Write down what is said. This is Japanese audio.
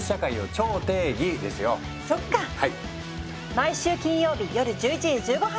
毎週金曜日夜１１時１５分から！